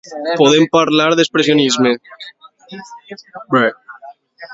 Podem parlar d'expressionisme ple, tant en les formes com en el contingut.